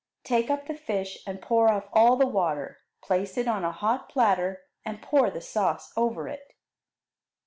Take up the fish and pour off all the water; place it on a hot platter and pour the sauce over it.